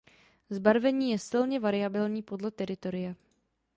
Zbarvení je silně variabilní podle teritoria.